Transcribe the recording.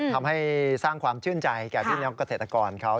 ทำให้สร้างความชื่นใจแก่พี่น้องเกษตรกรเขา